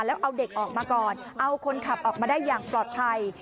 แล้วเอาเด็กออกมาก่อนเอาคนขับออกมาได้อย่างปลอดภัย